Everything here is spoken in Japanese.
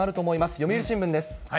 読売新聞です。